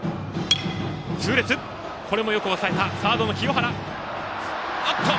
これもよく押さえたサードの清原。